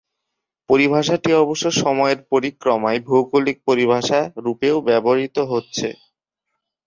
পরিভাষাটি অবশ্য সময়ের পরিক্রমায় ভৌগোলিক পরিভাষা রূপেও ব্যবহৃত হচ্ছে।